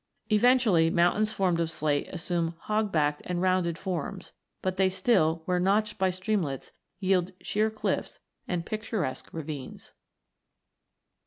Eventually, mountains formed of slate assume hog backed and rounded forms, but they still, where notched by streamlets, yield sheer cliffs and picturesque ravines.